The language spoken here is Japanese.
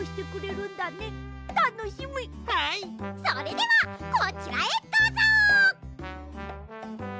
それではこちらへどうぞ！